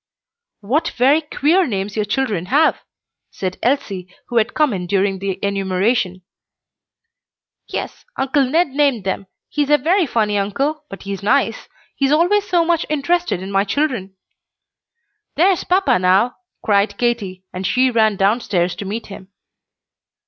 "What very queer names your children have!" said Elsie, who had come in during the enumeration. "Yes; Uncle Ned named them. He's a very funny uncle, but he's nice. He's always so much interested in my children." "There's papa now!" cried Katy; and she ran downstairs to meet him.